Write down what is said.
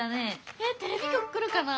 えっテレビきょく来るかな？